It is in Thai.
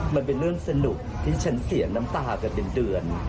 มันเป็นเรื่องสนุกที่ฉันเสียน้ำตากันเป็นเดือน